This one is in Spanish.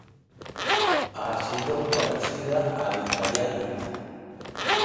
Ha sido traducida al italiano.